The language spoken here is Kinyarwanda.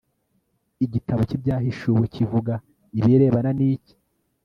igitabo cy'ibyahishuwe kivuga ibirebana n iki